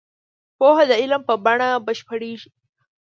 پوهه د عمل په بڼه بشپړېږي.